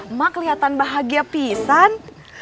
emak kelihatan bahagia pisang